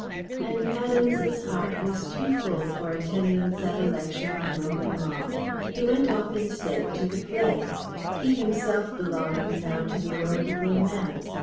And Adams's heart was too full for attendance at a lecture on Roman law. He went off instead to the play. He himself belonged now to the world of romance.